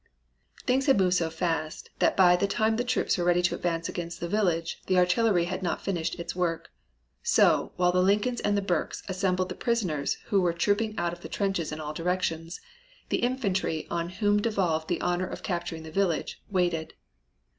"Things had moved so fast that by the time the troops were ready to advance against the village the artillery had not finished its work. So, while the Lincolns and the Berks assembled the prisoners who were trooping out of the trenches in all directions, the infantry on whom devolved the honor of capturing the village, waited.